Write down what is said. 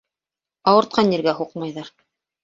Ауыртҡан ергә һуҡмайҙар.